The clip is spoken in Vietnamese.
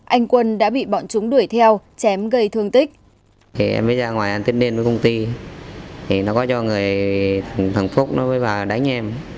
anh quân đã bị bọn chúng đuổi theo chém gây thương tích